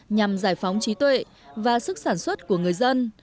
nhằm giải phóng trí tuệ và sức sản xuất của người dân